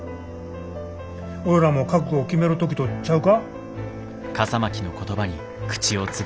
俺らも覚悟を決める時とちゃうか。